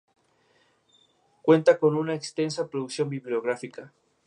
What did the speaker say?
La voz de Anita O'Day es ligeramente grave y siempre suave.